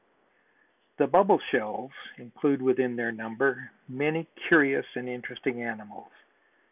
The Bubble shells include within their number many curious and interesting animals.